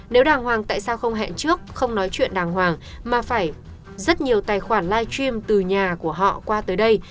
nếu đàng hoàng tại sao không hẹn trước không nói chuyện đàng hoàng mà phải rất nhiều tài khoản live stream từ nhà của họ qua tới đây